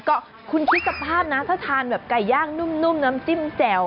ก็คุณคิดสภาพนะถ้าทานแบบไก่ย่างนุ่มน้ำจิ้มแจ่ว